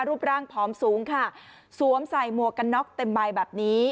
รูปร่างผอมสูงค่ะสวมใส่หมวกกันน็อกเต็มใบแบบนี้